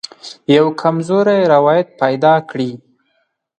یوه کمزوری روایت پیدا کړي.